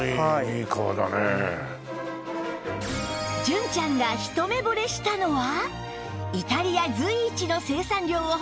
純ちゃんが一目ぼれしたのは